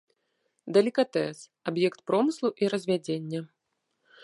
Далікатэс, аб'ект промыслу і развядзення.